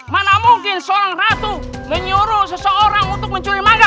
mana mungkin seorang ratu menyuruh seseorang untuk mencuri maga